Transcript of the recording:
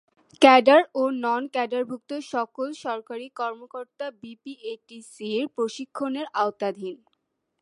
Cadre ও নন-ক্যাডারভুক্ত সকল সরকারি কর্মকর্তা বিপিএটিসি-র প্রশিক্ষণের আওতাধীন।